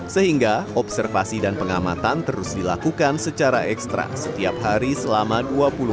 sehingga observasi dan pengamatan terus dilakukan secara ekstra setiap hari selama dua puluh empat jam